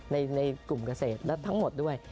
ในกลุ่มเกษตรและทั้งหมดด้วย